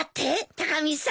高見さん。